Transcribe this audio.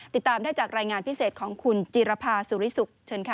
ติดตามได้จากรายงานพิเศษของคุณจิรภาสุริสุขเชิญค่ะ